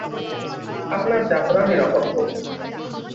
আপনার যাত্রা নিরাপদ হোক।